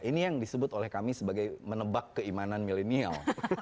ini yang disebut oleh kami sebagai menebak keimanan milenial